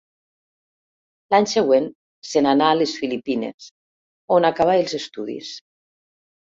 L'any següent se n'anà a les Filipines, on acabà els estudis.